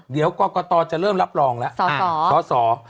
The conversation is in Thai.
เดี๋ยวกรกตจะเริ่มรับรองแล้วสอสอ